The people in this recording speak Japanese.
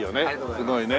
すごいね。